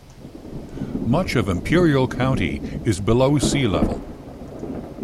Much of Imperial County is below sea level.